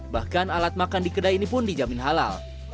bahkan alat makan di kedai ini pun dijamin halal